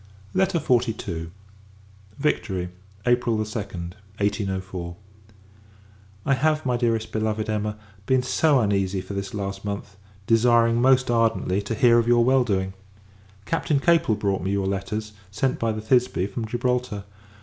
LETTER XLII. Victory, April 2d, 1804. I have, my Dearest Beloved Emma, been so uneasy for this last month; desiring, most ardently, to hear of your well doing! Captain Capel brought me your letters, sent by the Thisbe, from Gibraltar.